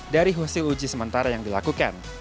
dari hasil uji sementara yang dilakukan